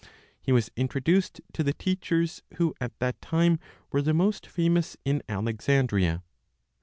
He was introduced to the teachers who at that time were the most famous in Alexandria.